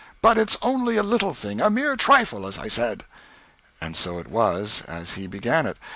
But it's only a little thing a mere trifle, as I said." And so it was as he began it.